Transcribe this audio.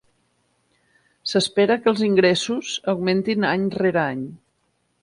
S'espera que els ingressos augmentin any rere any.